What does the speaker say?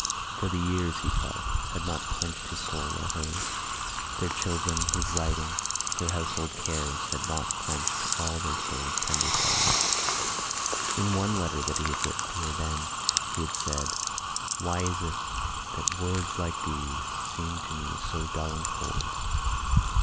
For the years, he felt, had not quenched his soul or hers. Their children, his writing, her household cares had not quenched all their souls' tender fire. In one letter that he had written to her then he had said: "Why is it that words like these seem to me so dull and cold?